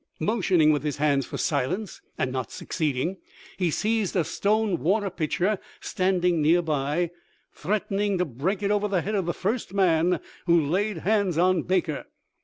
Motioning with his hands for silence and not succeeding, he seized a stone water pitcher standing near by, threatening to break it over the head of the first man who laid hands on Baker.